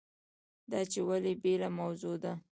دا چې ولې بېله موضوع ده.